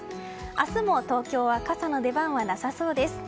明日も東京は傘の出番はなさそうです。